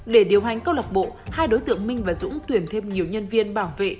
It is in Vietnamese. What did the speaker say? để điều hành câu lọc bộ hai đối tượng minh và dũng tuyển thêm nhiều nhân viên bảo vệ